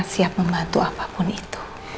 siap membantu apapun itu